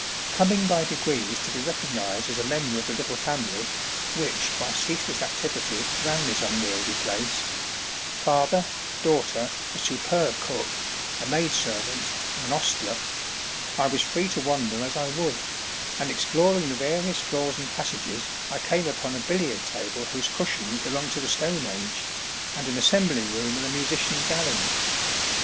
Coming by degrees to be recognised as a member of the little family which, by ceaseless activity, ran this unwieldy place father, daughter, a superb cook, a maid servant, and an ostler I was free to wander as I would, and exploring the various floors and passages I came upon a billiard table whose cushions belonged to the Stone Age, and an assembly room with a musicians' gallery.